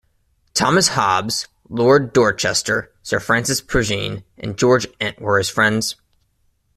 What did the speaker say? Thomas Hobbes, Lord Dorchester, Sir Francis Prujean and George Ent were his friends.